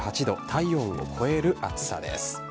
体温を超える暑さです。